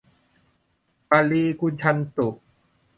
ปะริภุญชันตุ